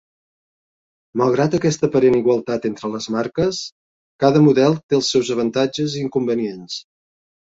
Malgrat aquesta aparent igualtat entre les marques, cada model té els seus avantatges i inconvenients.